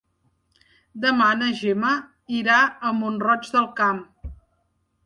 Demà na Gemma irà a Mont-roig del Camp.